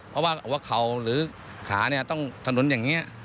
เพราะว่าหัวเข่าหรือขาเนี่ยต้องถนนอย่างนี้